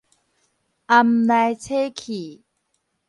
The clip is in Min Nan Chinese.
掩來差去